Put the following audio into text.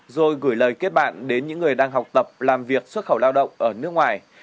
rồi gửi lời kết bạn đến những người đang học tập làm việc xuất khẩu lao động ở nước ngoài